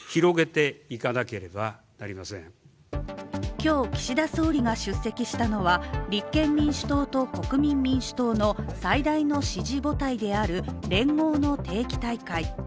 今日、岸田総理が出席したのは立憲民主党と国民民主党の最大の支持母体である連合の定期大会。